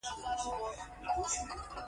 دوج چې د وینز حکومت په سر کې و